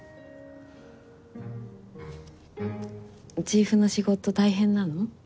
チーフの仕事大変なの？